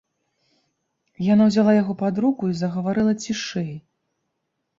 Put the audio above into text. Яна ўзяла яго пад руку і загаварыла цішэй.